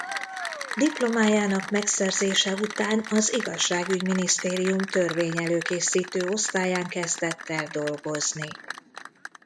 Diplomájának megszerzése után az Igazságügy-minisztérium törvény-előkészítő osztályán kezdett el dolgozni.